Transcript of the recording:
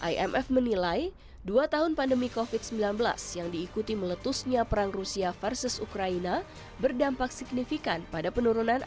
imf menilai dua tahun pandemi covid sembilan belas yang diikuti meletusnya perang rusia versus ukraina berdampak signifikan pada penurunan